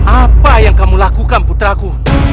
apa yang kamu lakukan putraku